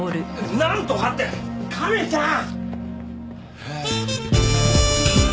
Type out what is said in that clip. なんとかって亀ちゃん！